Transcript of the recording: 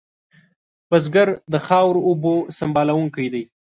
بزګر د خاورو اوبو سنبالونکی دی